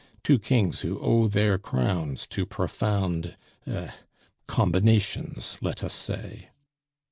two kings who owe their crowns to profound er combinations, let us say.